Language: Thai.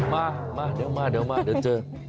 มาเดี๋ยวมาเดี๋ยวเจอ